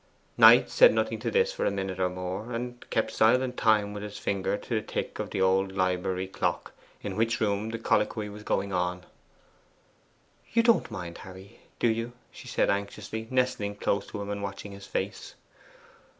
Knight said nothing to this for a minute or more, and kept silent time with his finger to the tick of the old library clock, in which room the colloquy was going on. 'You don't mind, Harry, do you?' she said anxiously, nestling close to him, and watching his face.